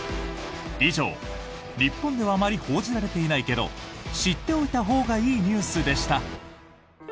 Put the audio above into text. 以上、日本ではあまり報じられていないけど知っておいたほうがいいニュースでした！